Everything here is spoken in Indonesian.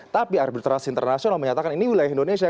tapi arbitrasi internasional menyatakan ini wilayah indonesia